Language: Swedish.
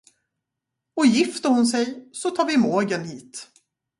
Och gifter hon sig så tar vi mågen hit.